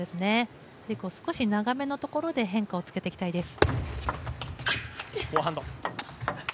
少し長めのところで変化をつけていきたいです。